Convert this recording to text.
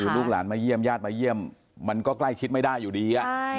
ลูกหลานมาเยี่ยมญาติมาเยี่ยมมันก็ใกล้ชิดไม่ได้อยู่ดี